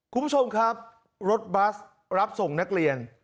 คุณผู้ชมครับรถบัสรับส่งนักเรียน